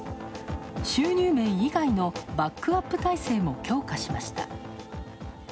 収入面以外のバックアップ態勢も強化しました。